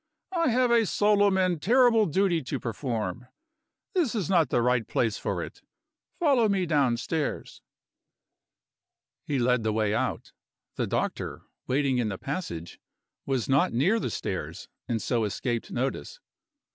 I have a solemn and terrible duty to perform. This is not the right place for it. Follow me downstairs." He led the way out. The doctor, waiting in the passage, was not near the stairs, and so escaped notice.